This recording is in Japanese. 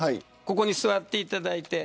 ここに座っていただいて。